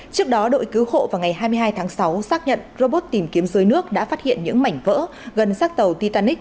trước đó đội cứu hộ vào ngày hai mươi hai tháng sáu xác nhận robot tìm kiếm dưới nước đã phát hiện những mảnh vỡ gần sát tàu titanic